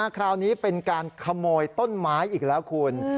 คราวนี้เป็นการขโมยต้นไม้อีกแล้วคุณ